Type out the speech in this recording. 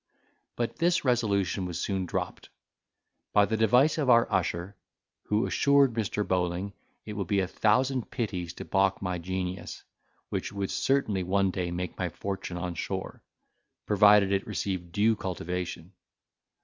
But this resolution was soon dropped, by the device of our usher, who assured Mr. Bowling, it would be a thousand pities to balk my genius, which would certainly one day make my fortune on shore, provided it received due cultivation.